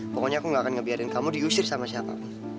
pokoknya aku gak akan ngebiarin kamu diusir sama siapa